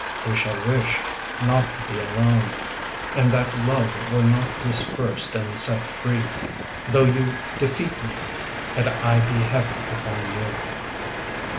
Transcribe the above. We shall wish not to be alone And that love were not dispersed and set free â Though you defeat me, And I be heavy upon you.